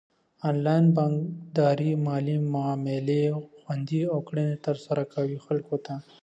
انلاين بانکداري مالي معاملي خوندي او ګړندي ترسره کوي خلکو ته.